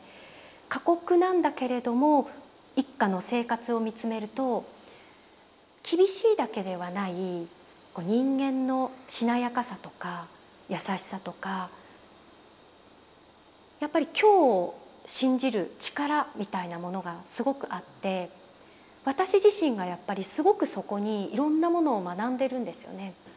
過酷なんだけれども一家の生活をみつめると厳しいだけではない人間のしなやかさとか優しさとかやっぱり今日を信じる力みたいなものがすごくあって私自身がやっぱりすごくそこにいろんなものを学んでるんですよね。